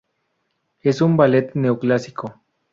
Es un ballet neoclásico.